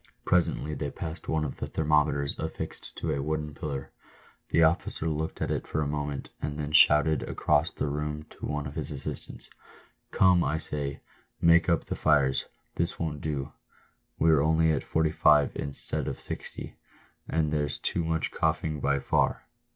Presently they passed one of the thermometers affixed to a wooden pillar. The officer looked at it for a moment, and then shouted across the room to one of his assistants, " Come, I say, make up the fires ! this won't do ! we're only at 45 instead of 60, and there's too much coughing by far."